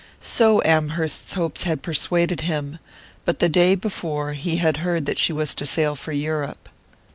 So Amherst's hopes had persuaded him; but the day before he had heard that she was to sail for Europe.